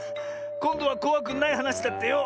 こんどはこわくないはなしだってよ。